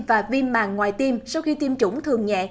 và viêm màng ngoài tiêm sau khi tiêm chủng thường nhẹ